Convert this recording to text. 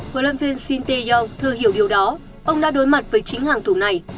hồ lâm viên sinteyo thưa hiểu điều đó ông đã đối mặt với chính hàng thủ này